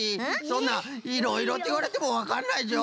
そんないろいろっていわれてもわかんないぞ。